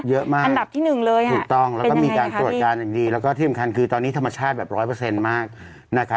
อันดับที่๑เลยถูกต้องแล้วก็มีการตรวจการอย่างดีแล้วก็ที่สำคัญคือตอนนี้ธรรมชาติแบบร้อยเปอร์เซ็นต์มาก